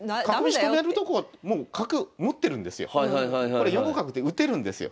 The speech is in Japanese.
これ４五角って打てるんですよ。